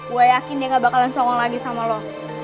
gue yakin dia gak bakalan songong lagi sama lu